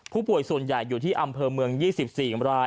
ผู้ป่วยส่วนใหญ่อยู่ที่อำเภอเมืองยี่สิบสี่อำราย